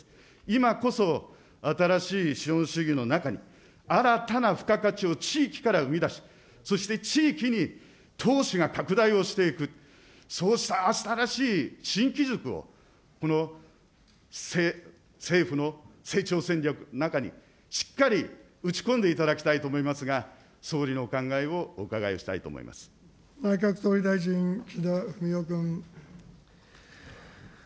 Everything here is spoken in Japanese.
今こそ新しい資本主義の中に、新たな付加価値を地域から生み出し、そして地域に投資が拡大をしていく、そうした新しい新機軸を政府の成長戦略の中にしっかり打ち込んでいただきたいと思いますが、総理のお考えをお伺いしたいと思いま内閣総理大臣、岸田文雄君。